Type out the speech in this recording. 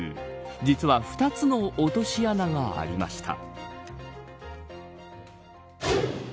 実は２つの落とし穴がありました。